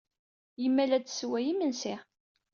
Yemma la d-tessewway imensi.